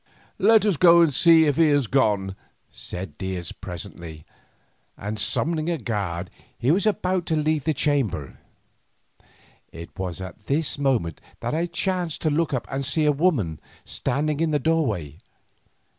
"Let us go and see if he has gone," said Diaz presently, and summoning a guard, he was about to leave the chamber. It was at this moment that I chanced to look up and see a woman standing in the doorway.